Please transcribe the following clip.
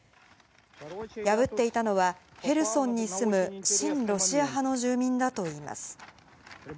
破っていたのは、ヘルソンに住む親ロシア派の住民だといいます。